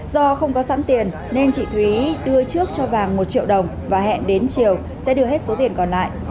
do không có sẵn tiền nên chị thúy đưa trước cho vàng một triệu đồng và hẹn đến chiều sẽ đưa hết số tiền còn lại